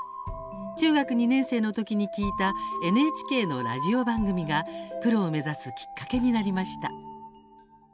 中学２年生のときに聴いたＮＨＫのラジオ番組がプロを目指すきっかけになりました。